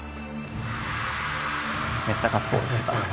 めっちゃガッツポーズしてた。